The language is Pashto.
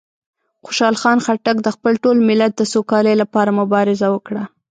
خوشحال خان خټک د خپل ټول ملت د سوکالۍ لپاره مبارزه وکړه.